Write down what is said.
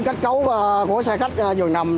kết cấu của xe khách vườn nằm